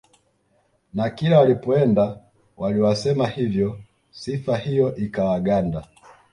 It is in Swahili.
Na kila walipoenda waliwasema hivyo sifa hiyo ikawaganda